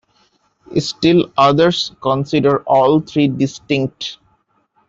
Still others consider all three distinct.